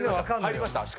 入りました？